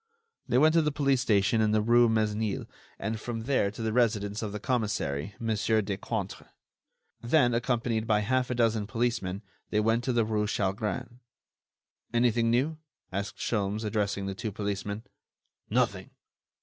They went to the police station in the rue Mesnil and from there to the residence of the commissary, Mon. Decointre. Then, accompanied by half a dozen policemen, they went to the rue Chalgrin. "Anything new?" asked Sholmes, addressing the two policemen. "Nothing."